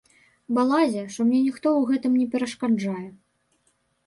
Балазе, што мне ніхто ў гэтым не перашкаджае.